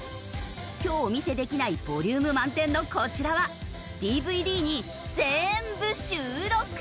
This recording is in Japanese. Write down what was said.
今日お見せできないボリューム満点のこちらはＤＶＤに全部収録！